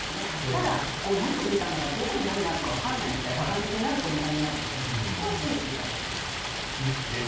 ただ、何を入れたんだかどこに何かあるかわからないみたいな感じになると無駄になるのでそこは注意していただくといいと思います。